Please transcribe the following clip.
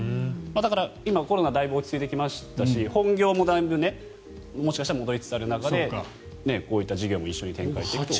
だから今、だいぶコロナが落ち着いてきましたし本業もだいぶもしかしたら戻りつつある中こういった事業も一緒に展開していくと。